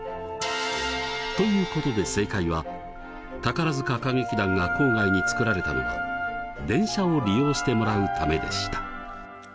ということで正解は宝塚歌劇団が郊外に作られたのは「電車を利用してもらうため」でした。